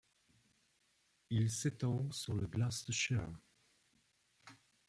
Il s'étend sur le Gloucestershire.